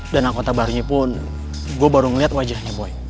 dan angkota barunya pun gue baru ngeliat wajahnya boy